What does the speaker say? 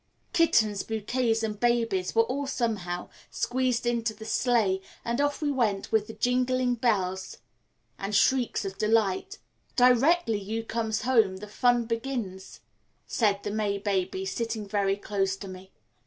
Kittens, bouquets, and babies were all somehow squeezed into the sleigh, and off we went with jingling bells and shrieks of delight. "Directly you comes home the fun begins," said the May baby, sitting very close to me.